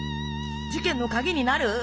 事件の鍵になる？